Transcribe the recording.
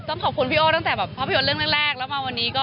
ต้องขอบพี่โอ้ต้องขอบพี่โอ้ตั้งแต่ภาพยนตร์เรื่องแรกแล้วมาวันนี้